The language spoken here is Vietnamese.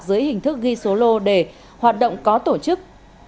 dưới hình thức ghi số lô để hoạt động có tổ chức